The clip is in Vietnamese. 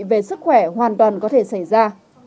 về sức khỏe hoàn toàn có thể xảy ra